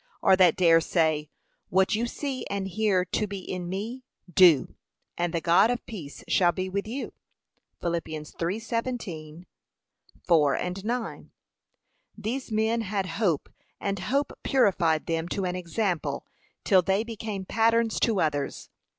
or that dare say, What you see and hear to be in me, do, 'and the God of peace shall be with you ?' (Phil 3:17; 4:9) These men had hope and hope purified them to an example, till they became patterns to others.